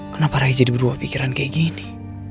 kenapa ray jadi berubah pikiran kayak gini